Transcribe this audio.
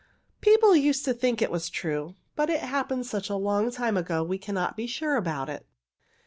"People used to think it was true, but it happened such a long time ago we cannot be sure about it.